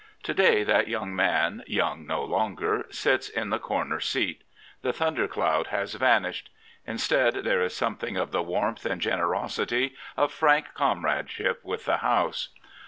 To day that young man, young no longer, sits in the corner seat. The thunder cloud has vanished. In stead there is something of the warmth and generosity of frank comradeship with the House.